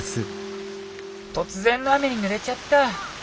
「突然の雨にぬれちゃった。